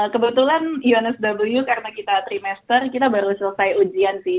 kebetulan unsw karena kita trimester kita baru selesai ujian sih